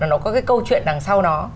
nó có cái câu chuyện đằng sau nó